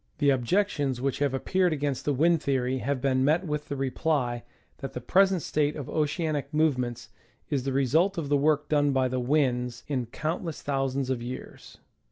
The objections which have appeared against the wind theory have been met with the reply that the present state of oceanic movements is the result of the work done by the winds in count less thousands of years.